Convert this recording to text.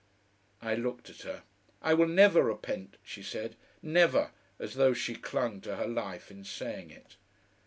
I looked at her. "I will never repent," she said. "Never!" as though she clung to her life in saying it.